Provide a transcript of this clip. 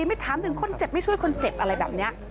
ไม่ถามถึงคนเจ็บไม่ช่วยคนเจ็บอะไรแบบนี้